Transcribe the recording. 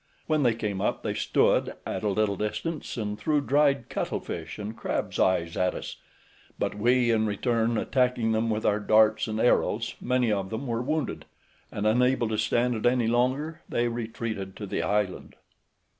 When they came up, they stood at a little distance, and threw dried cuttle fish and crabs' eyes at us; but we, in return, attacking them with our darts and arrows, many of them were wounded; and, unable to stand it any longer, they retreated to the island.